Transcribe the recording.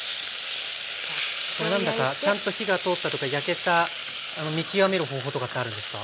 ちゃんと火が通ったとか焼けた見極める方法とかってあるんですか？